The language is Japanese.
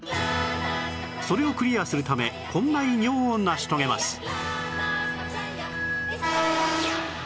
それをクリアするためこんな偉業を成し遂げます